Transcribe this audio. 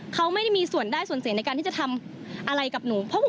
เขาไม่ได้มีส่วนได้ส่วนเสียในการที่จะทำอะไรกับหนู